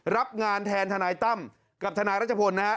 รับงานแทนทนายตั้มกับทนายรัชพลนะฮะ